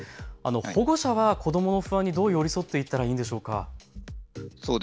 保護者は子どもの不安にどう寄り添っていったらいいでしょうか。